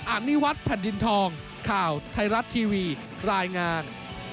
อันนี้วัดแผ่นดินทองข่าวไทยรัฐทีวีรายงาน